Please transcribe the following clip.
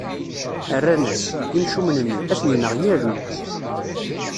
Rran-as: Imcumen-nni, ad ten-ineɣ yir lmut.